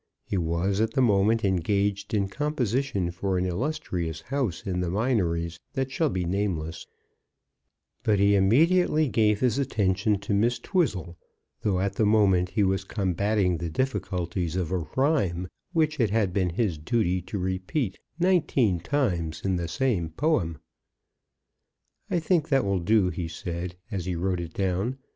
He was, at the moment, engaged in composition for an illustrious house in the Minories that shall be nameless; but he immediately gave his attention to Miss Twizzle, though at the moment he was combating the difficulties of a rhyme which it had been his duty to repeat nineteen times in the same poem. "I think that will do," said he, as he wrote it down.